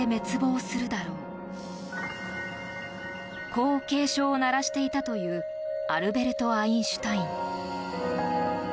こう警鐘を鳴らしていたというアルベルト・アインシュタイン。